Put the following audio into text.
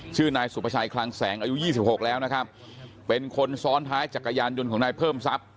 ชื่อนายสุภาชัยคลังแสงอายุยี่สิบหกแล้วนะครับเป็นคนซ้อนท้ายจักรยานยนต์ของนายเพิ่มทรัพย์